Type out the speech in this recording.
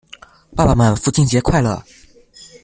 爸爸們父親節快樂！